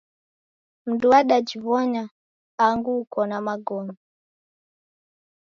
Mundu wadajiw'ona angu ukona magome.